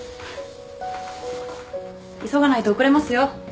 急がないと遅れますよ。